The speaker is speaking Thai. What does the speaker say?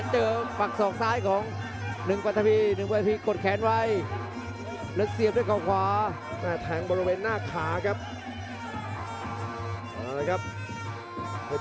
หว่างแล้วแค่งโต้คืนอ้าว